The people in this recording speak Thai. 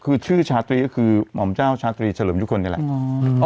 คือชื่อชะตรีก็คือหม่อมเจ้าชะตรีชะหลมทุกคนนั้นแหละ